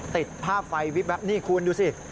ติดภาพไฟวิบแบบนี้คุณดูสิ